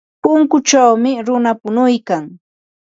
Punkuchawmi runa punuykan.